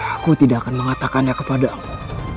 aku tidak akan mengatakannya kepadamu